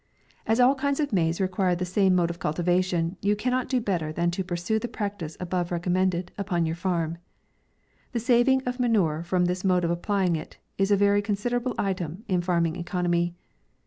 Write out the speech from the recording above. As all kinds of maize require the same mode of cultivation, you cannot do better than to pursue the practice above recommen ded, upon your farm. The saving of manure from this mode of applying it, is a very con siderable item in farming economy.